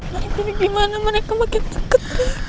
mereka gimana mereka makin deket